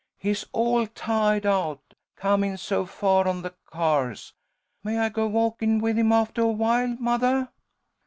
He's all tiahed out, comin' so far on the cars. May I go walkin' with him aftah awhile, mothah?"